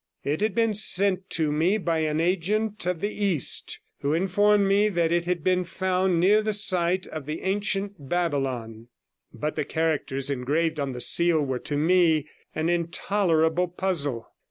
It had been sent to me by an agent in the East, who informed me that it had been found near the site of the ancient Babylon. But the characters engraved on the seal were to me an intolerable puzzle.